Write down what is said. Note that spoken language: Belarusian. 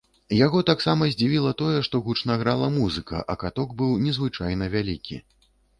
Яго таксама здзівіла тое, што гучна грала музыка, а каток быў незвычайна вялікі.